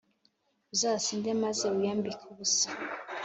uzasinde maze wiyambike ubusa!